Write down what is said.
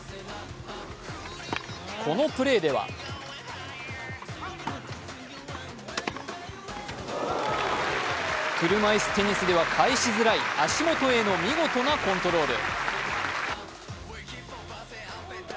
このプレーでは車いすテニスでは返しづらい足元への見事なコントロール。